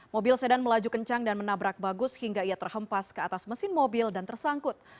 mobil sedan melaju kencang dan menabrak bagus hingga ia terhempas ke atas mesin mobil dan tersangkut